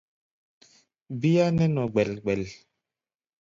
Bíá nɛ́ nɔ gbɛl-gbɛl.